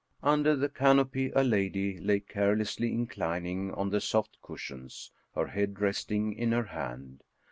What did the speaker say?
Under the canopy a lady lay carelessly inclining on the soft cushions, her head resting in her hand.